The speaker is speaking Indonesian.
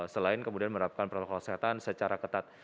selain kemudian meratakan proses kesehatan secara ketat